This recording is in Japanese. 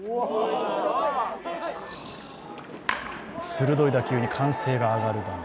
鋭い打球に歓声が上がる場面。